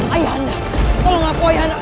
ayah anda tolong aku ayah anda